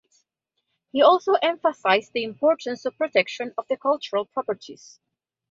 He also emphasized the importance of protection of the cultural properties.